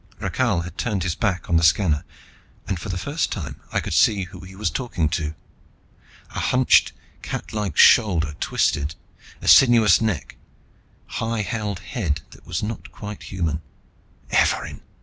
Rakhal had turned his back on the scanner and for the first time I could see who he was talking to. A hunched, catlike shoulder twisted; a sinuous neck, a high held head that was not quite human. "Evarin!"